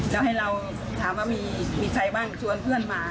แล้วให้เราถามว่ามีใครบ้างชวนเพื่อนมา